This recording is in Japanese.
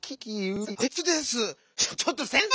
ああちょっと先生！